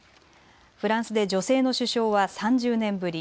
フランスで女性の首相は３０年ぶり。